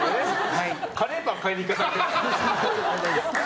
カレーパン買いに行かされてる？